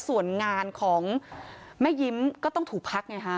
ส่วนงานของแม่ยิ้มก็ต้องถูกพักไงฮะ